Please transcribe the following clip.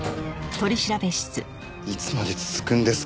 いつまで続くんですか？